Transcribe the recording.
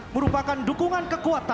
merupakan dukungan kekuatan